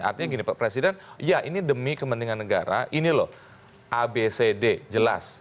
artinya gini pak presiden ya ini demi kepentingan negara ini loh abcd jelas